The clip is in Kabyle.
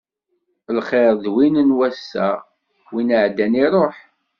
Lxiṛ d win n wass-a, win iɛeddan, iṛuḥ.